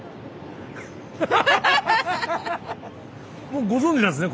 もうご存じなんですね？